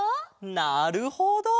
なるほど！